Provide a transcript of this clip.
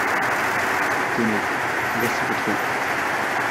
Tenez, voici votre eau.